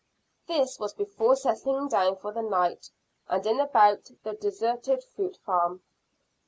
This was before settling down for the night in and about the deserted fruit farm.